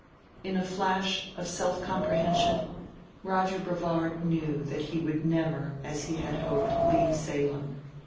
In a flash of self comprehension, Roger Brevard knew that he would never, as he had hoped, leave Salem.